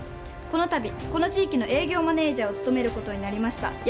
このたびこの地域の営業マネージャーを務めることになりました。